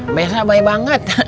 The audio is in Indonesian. mbak elsa baik banget